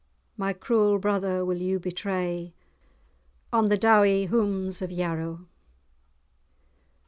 My cruel brother will you betray, On the dowie houms[#] of Yarrow."